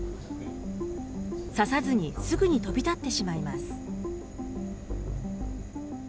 刺さずにすぐに飛び立ってしまいます。